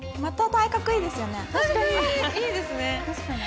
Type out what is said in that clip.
体格いいですね。